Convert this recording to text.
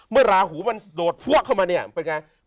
เมื่อลาหูโดดพวะเข้ามาเนี่ยเป็นอย่างไร